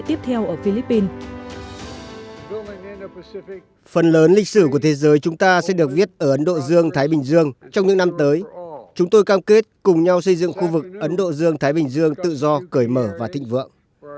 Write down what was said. trong thế giới chúng ta sẽ được viết ở ấn độ dương thái bình dương trong những năm tới chúng tôi cam kết cùng nhau xây dựng khu vực ấn độ dương thái bình dương tự do cởi mở và thịnh vượng